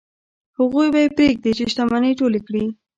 هغوی به یې پرېږدي چې شتمنۍ ټولې کړي.